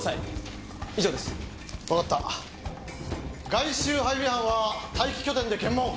外周配備班は待機拠点で検問。